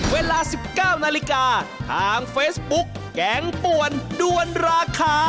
เวลา๑๙นาฬิกาทางเฟซบุ๊กแกงป่วนด้วนราคา